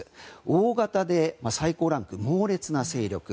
大型で、最高ランク猛烈な勢力。